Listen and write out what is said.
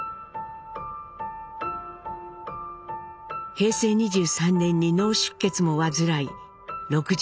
平成２３年に脳出血も患い６８歳で他界。